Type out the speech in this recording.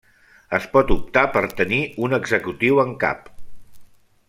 Es pot optar per tenir un executiu en cap.